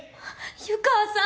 湯川さん。